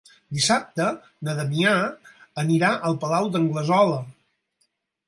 Dissabte na Damià anirà al Palau d'Anglesola.